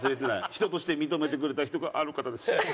人として認めてくれた人があの方です。